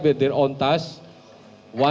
sibuk dengan tugas mereka sendiri